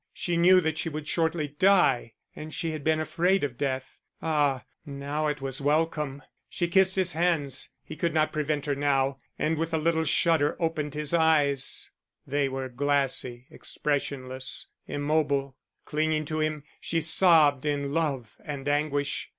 She knew that she would shortly die and she had been afraid of death. Ah, now it was welcome! She kissed his hands he could not prevent her now and with a little shudder opened his eyes; they were glassy, expressionless, immobile. Clinging to him, she sobbed in love and anguish.